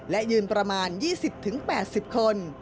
และยืนประมาณ๒๐๘๐คน